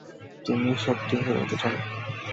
তুমি সত্যিই হিরো হতে চাও?